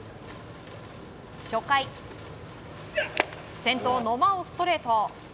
初回、先頭、野間をストレート。